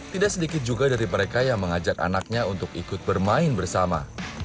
tidak sedikit juga dari mereka yang mengajak anaknya untuk ikut bermain bersama